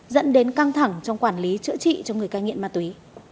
dẫn đến căng thẳng trong quản lý chữa trị cho người cai nghiện ma túy